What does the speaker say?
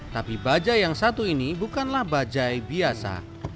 tapi bajai yang satu ini bukanlah bajai biasa